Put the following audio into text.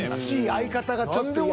相方がちょっと嫌。